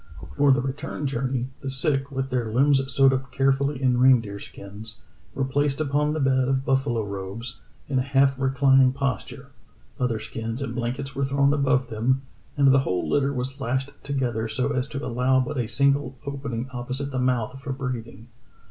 For the return journey: "The sick, with their limbs sewed up carefully in reindeer skins, were placed upon the bed of buffalo robes, in a half reclining posture; other skins and blankets were thrown above them, and the whole litter was lashed together so as to allow but a single opening opposite the mouth for breathing.